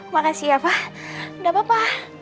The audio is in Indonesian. makasih ya pak